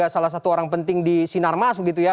salah satu orang penting di sinarmas begitu ya